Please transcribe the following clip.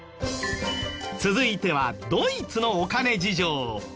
続いてはドイツのお金事情。